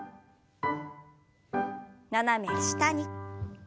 斜め下に。